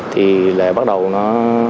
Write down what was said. thì lại bắt đầu nó